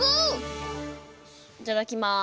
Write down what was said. いただきます！